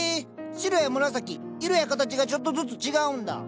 白や紫色や形がちょっとずつ違うんだ。